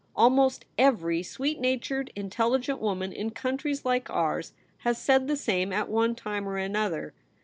Almost every sweet natured, intelligent woman in countries like ours has said the same at one time or another.